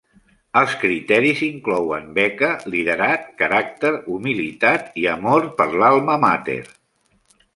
Els criteris inclouen beca, liderat, caràcter, humilitat i amor per l'"alma mater".